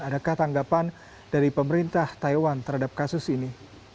adakah tanggapan dari pemerintah taiwan terhadap kasus ini